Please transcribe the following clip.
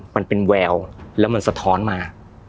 มันเป็นแววแล้วมันสะท้อนมา